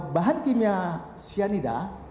bahan kimia cyanida